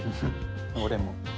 俺も。